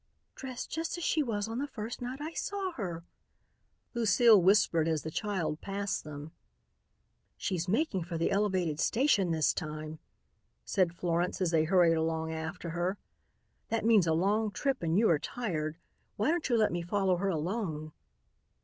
"Dressed just as she was on the first night I saw her," Lucile whispered as the child passed them. "She's making for the elevated station this time," said Florence as they hurried along after her. "That means a long trip and you are tired. Why don't you let me follow her alone?"